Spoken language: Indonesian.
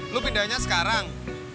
lo pindahinnya sekarang